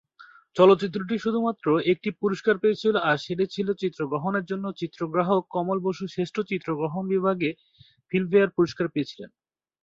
চলচ্চিত্রটি শুধু মাত্র একটি পুরস্কার পেয়েছিলো আর সেটি ছিলো চিত্রগ্রহণের জন্য, চিত্রগ্রাহক কমল বসু শ্রেষ্ঠ চিত্রগ্রহণ বিভাগে ফিল্মফেয়ার পুরস্কার পেয়েছিলেন।